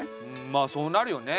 まあそうなるよね。